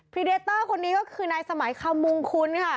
รีเดเตอร์คนนี้ก็คือนายสมัยคำมงคุณค่ะ